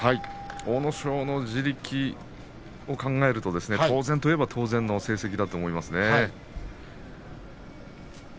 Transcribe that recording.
阿武咲の地力を考えると当然といえば当然の成績だと思いますね。